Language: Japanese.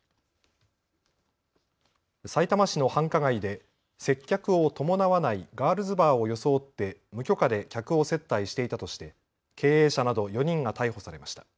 さいたま市の繁華街で接客を伴わないガールズバーを装って無許可で客を接待していたとして経営者など４人が逮捕されました。